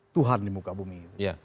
tuhan di muka bumi